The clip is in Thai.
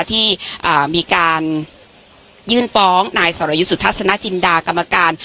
ที่มีการยื่นฟ้องนายสรยุทธสนจินดากรรมการ